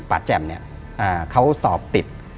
ป่าแจ่มเขาสอบติด